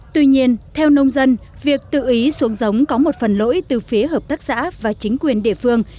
tuy nhiên theo nông dân việc tự ý xuống giống có một phần lỗi từ phía hợp tác xã và chính quyền địa phương